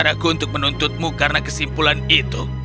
apa cara aku untuk menuntutmu karena kesimpulan itu